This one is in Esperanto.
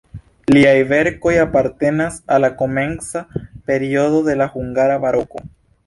Liaj verkoj apartenas al la komenca periodo de la hungara baroko.